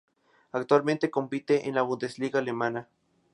Actualmente compite en la Bundesliga alemana.